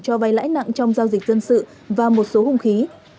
cho vay lãi nặng trong giao dịch dân sự và một số hung khí